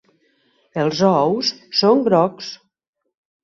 Els ous són grocs.